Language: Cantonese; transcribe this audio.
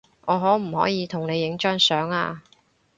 我可唔可以同你影張相呀